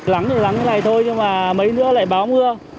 lắng thì lắng như thế này thôi nhưng mà mấy nữa lại báo mưa